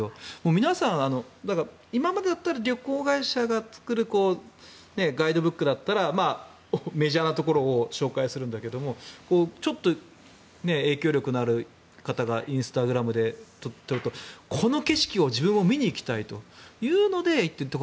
皆さん、今までだったら旅行会社が作るガイドブックだったらメジャーなところを紹介するんだけどちょっと影響力のある方がインスタグラムで撮るとこの景色を自分も見に行きたいというので行くと。